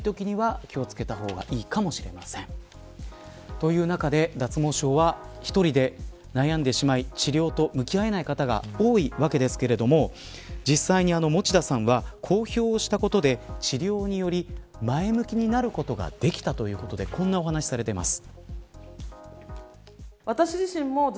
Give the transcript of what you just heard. という中で脱毛症は１人で悩んでしまい治療と向き合えない方が多いわけですけれども実際に餅田さんは公表したことで治療により前向きになることができたということでこんなお話されています。